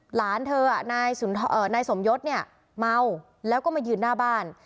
หลานเธอนายสุนทรเอ่อนายสมยศเนี่ยเมาแล้วก็มายืนหน้าบ้าน